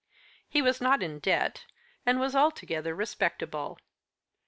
He was not in debt, and was altogether respectable.